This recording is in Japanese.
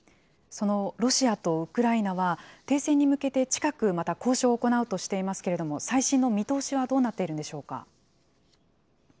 そのロシアとウクライナは、停戦に向けて近くまた交渉を行うとしていますけれども、最新の見通しはどうなっているんでしょうか。